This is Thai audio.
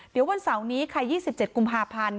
เดี๋ยววันเสาร์นี้ค่ะ๒๗กุมภาพันธ์